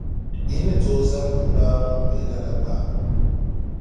Yi ni tooi zaŋ bulaa ŋun be lala gba.